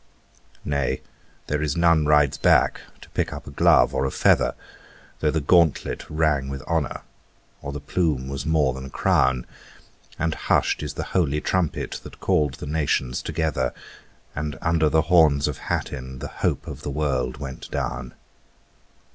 Nay, there is none rides back to pick up a glove or a feather, Though the gauntlet rang with honour or the plume was more than a crown: And hushed is the holy trumpet that called the nations together And under the Horns of Hattin the hope of the world went down.